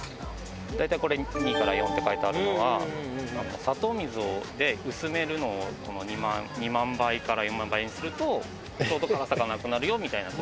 大体これ２から４って書いてあるものは砂糖水で薄めるのを２万倍から４万倍にするとちょうど辛さがなくなるよみたいな。